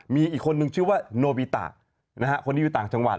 มีอีกคนนึงชื่อว่าโนบิตะนะฮะคนนี้อยู่ต่างจังหวัด